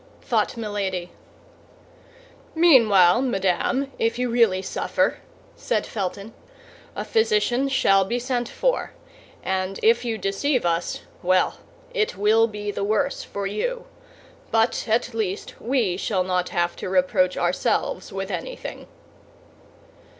thought Milady. "Meanwhile, madame, if you really suffer," said Felton, "a physician shall be sent for; and if you deceive us—well, it will be the worse for you. But at least we shall not have to reproach ourselves with anything."